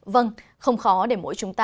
vâng không khó để mỗi chúng ta